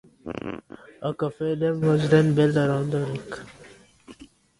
A cofferdam was then built around the wreck.